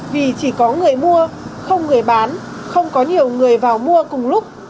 vì chỉ có người mua không người bán không có nhiều người vào mua cùng lúc